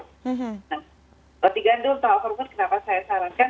nah ketika gandul atau hormon kenapa saya sarankan